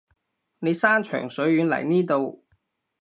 你山長水遠嚟呢度